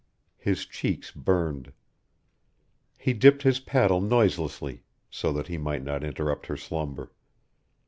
His cheeks burned. He dipped his paddle noiselessly, so that he might not interrupt her slumber.